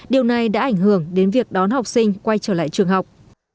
điều này đã ảnh hưởng đến việc đón học sinh quay trở lại trường học